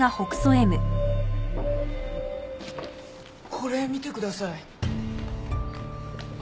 これ見てください。